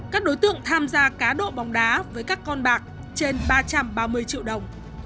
các đối tượng tham gia cá độ bóng đá với các con bạc trên ba trăm ba mươi triệu đồng